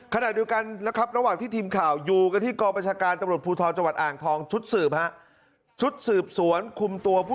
ขนาดเดียวกันนะครับ